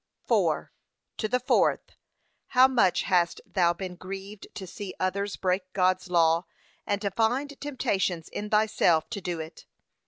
IV. To the fourth. How much hast thou been grieved to see others break God's law, and to find temptations in thyself to do it?